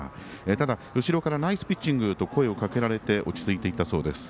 ただ、後ろから「ナイスピッチング」と声をかけられて落ち着いていったそうです。